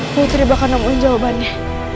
putri bakalan nemuin jawabannya